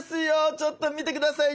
ちょっと見てください。